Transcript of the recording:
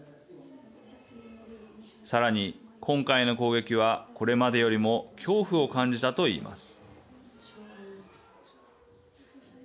さらに、今回の攻撃はこれまでよりも恐怖を感じたといいます。